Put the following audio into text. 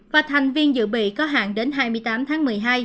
và thành viên dự bị có hạn đến hai mươi tám tháng một mươi hai